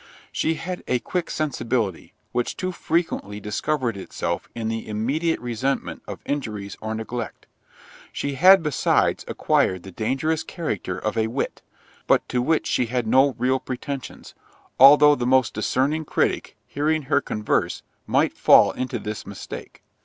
She had a quick sensibility, which too frequently discovered itself in the immediate resentment of injuries or neglect. She had, besides, acquired the dangerous character of a wit; but to which she had no real pretensions, although the most discerning critic, hearing her converse, might fall into this mistake.